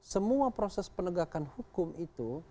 semua proses penegakan hukum itu